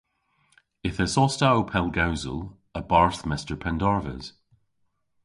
Yth esos ta ow pellgewsel a-barth Mester Pendarves.